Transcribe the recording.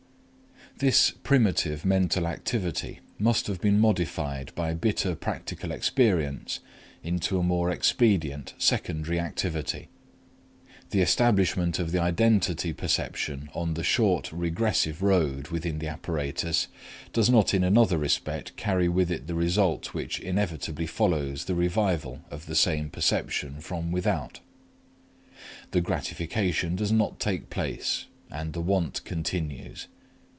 This primitive mental activity must have been modified by bitter practical experience into a more expedient secondary activity. The establishment of the identity perception on the short regressive road within the apparatus does not in another respect carry with it the result which inevitably follows the revival of the same perception from without. The gratification does not take place, and the want continues.